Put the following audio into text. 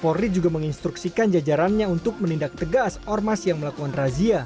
polri juga menginstruksikan jajarannya untuk menindak tegas ormas yang melakukan razia